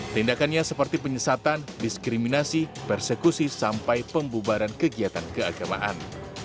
tindakannya seperti penyesatan diskriminasi persekusi sampai pembubaran kegiatan keagamaan